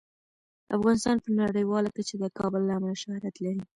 افغانستان په نړیواله کچه د کابل له امله شهرت لري.